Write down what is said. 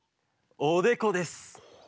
おでこです。